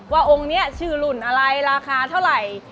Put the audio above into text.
ว่าองค์นี้ชื่อรุ่นอะไรราคาเท่าไหร่